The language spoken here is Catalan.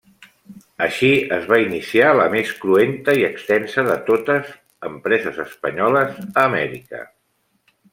Així es va iniciar la més cruenta i extensa de totes empreses espanyoles a Amèrica.